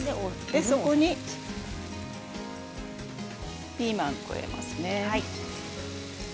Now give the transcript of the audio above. そこにピーマンを加えますね。